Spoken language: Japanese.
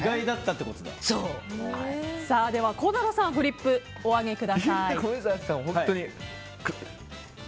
では孝太郎さんフリップ、お上げください。